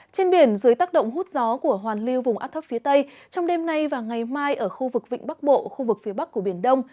trên biển dưới tác động hút gió của hoàn lưu vùng áp thấp phía tây trong đêm nay và ngày mai ở khu vực vịnh bắc bộ khu vực phía bắc của biển đông